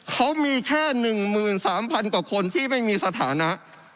เขามีแค่๑๓๐๐๐กว่าคนที่ไม่มีสถานะ